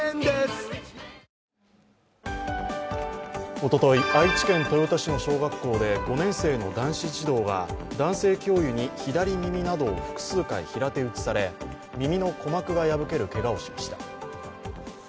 おととい、愛知県豊田市の小学校で５年生の男子児童が男性教諭に左耳などを複数回平手打ちされ耳の鼓膜が破けるけがをしました。